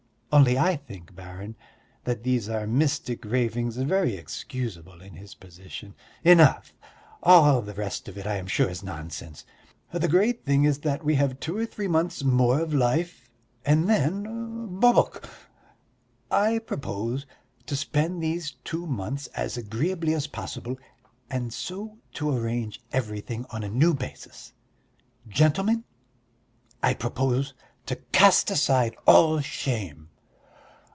Only, I think, baron, that these are mystic ravings very excusable in his position...." "Enough; all the rest of it, I am sure, is nonsense. The great thing is that we have two or three months more of life and then bobok! I propose to spend these two months as agreeably as possible, and so to arrange everything on a new basis. Gentlemen! I propose to cast aside all shame."